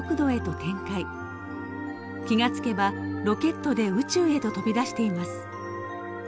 気が付けばロケットで宇宙へと飛び出しています。